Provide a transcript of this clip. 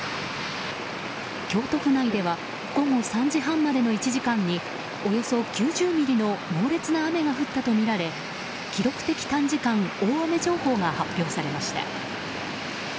京都府内では午後３時半までの１時間におよそ９０ミリの猛烈な雨が降ったとみられ記録的短時間大雨情報が発表されました。